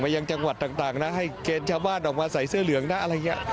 มายังจังหวัดต่างให้แกณฑ์ชาวบ้านออกมาใส่สื้อเหลืองนะ